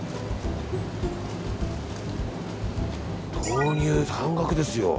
豆乳、半額ですよ。